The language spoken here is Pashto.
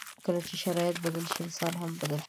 کله چې شرایط بدل شي، انسان هم بدل کېږي.